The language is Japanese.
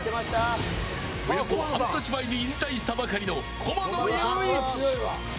およそ半年前に引退したばかりの駒野友一。